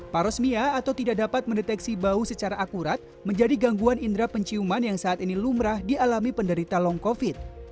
parosmia atau tidak dapat mendeteksi bau secara akurat menjadi gangguan indera penciuman yang saat ini lumrah dialami penderita long covid